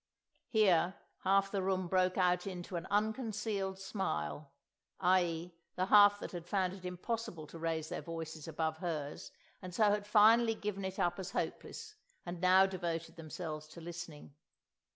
Here half the room broke out into an unconcealed smile; i.e., the half that had found it impossible to raise their voices above hers, and so had finally given it up as hopeless, and now devoted themselves to listening.